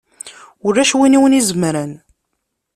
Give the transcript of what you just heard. Ulac win i wen-izemren!